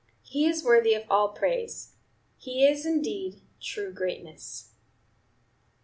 He is worthy of all praise; his is, indeed, true greatness."